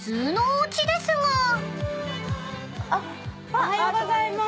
おはようございます。